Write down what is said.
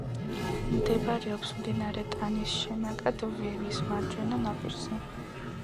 მდებარეობს მდინარე ტანის შენაკად ვერის მარჯვენა ნაპირზე.